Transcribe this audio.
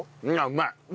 うまい？